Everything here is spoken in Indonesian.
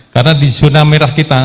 karena di zona merah kita